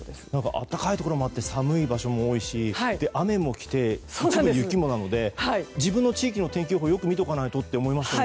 暖かいところもあって寒い場所も多いし雨もきて、雪もなので自分の地域の天気予報をよく見ておかないとですね。